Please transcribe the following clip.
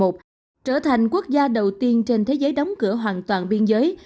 trở thành quốc gia đầu tiên trên thế giới đóng cửa hoàn toàn biên giới